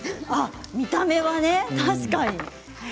見た目はね、確かに。